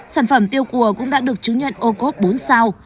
sản phẩm tiêu cùa cũng đã được chứng nhận ô cốt bốn sao